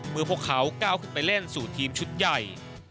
พวกเขาก้าวขึ้นไปเล่นสู่ทีมชุดใหญ่